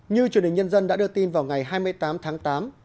như truyền hình nhân dân đã đưa tin vào ngày hai mươi tám tháng tám